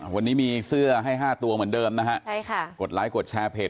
วันนี้มีเสื้อให้ห้าตัวเหมือนเดิมนะฮะใช่ค่ะกดไลค์กดแชร์เพจ